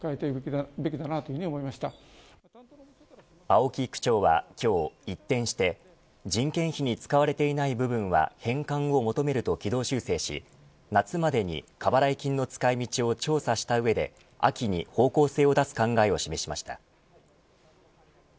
青木区長は今日一転して人件費に使われていない部分は返還を求めると軌道修正し夏までに過払い金の使い道を調査した上で秋に方向性を出す考えを示しました。